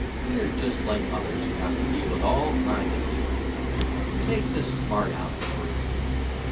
"We are just like others who have to deal with all kinds of people. "Take the smart Alecs, for instance.